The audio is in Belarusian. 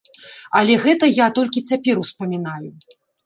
Але гэта я толькі цяпер успамінаю.